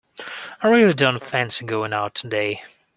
I really don't fancy going out today.